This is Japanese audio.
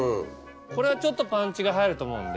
これはちょっとパンチが入ると思うんで。